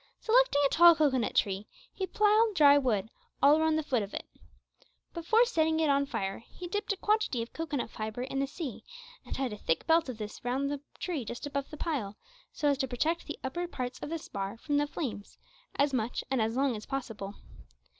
Selecting a tall cocoanut tree, he piled dry wood all round the foot of it. Before setting it on fire he dipped a quantity of cocoanut fibre in the sea and tied a thick belt of this round the tree just above the pile, so as to protect the upper parts of the spar from the flames as much and as long as possible.